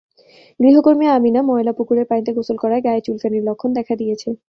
গৃহকর্মী আমিনা ময়লা পুকুরের পানিতে গোসল করায় গায়ে চুলকানির লক্ষণ দেখা দিয়েছে।